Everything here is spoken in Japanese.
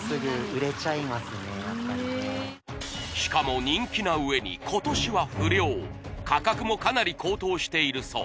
しかも人気な上に価格もかなり高騰しているそう